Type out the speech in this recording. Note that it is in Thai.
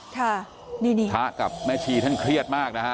ค่ะนี่พระกับแม่ชีท่านเครียดมากนะฮะ